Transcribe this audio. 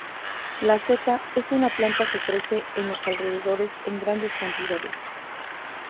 La seta es una planta que crece en los alrededores en grandes cantidades.